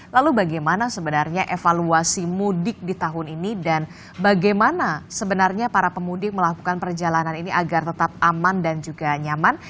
lalu bagaimana sebenarnya evaluasi mudik di tahun ini dan bagaimana sebenarnya para pemudik melakukan perjalanan ini agar tetap aman dan juga nyaman